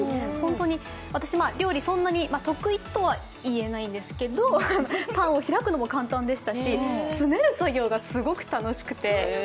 私、料理、そんなに得意とは言えないんですけどパンを開くのも簡単でしたし、詰める作業がすごく楽しくて。